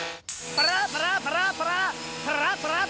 パララパララパララパラパラ！